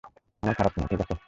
আমরা খারাপ না, ঠিক আছে?